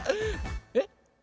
えっ？